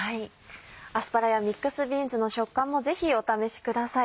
アスパラやミックスビーンズの食感もぜひお試しください。